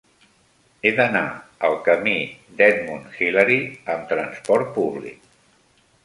He d'anar al camí d'Edmund Hillary amb trasport públic.